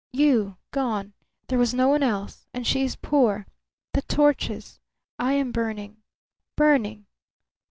You, gone, there was no one else.... And she is poor.... The torches!... I am burning, burning!...